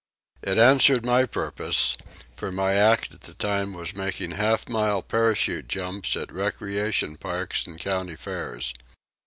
It answered my purpose, for my act at the time was making half mile parachute jumps at recreation parks and country fairs.